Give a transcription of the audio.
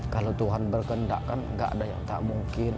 kalau tuhan berkendak kan gak ada yang tak mungkin